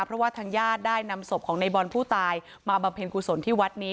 เพราะว่าทางญาติได้นำศพของในบอลผู้ตายมาบำเพ็ญกุศลที่วัดนี้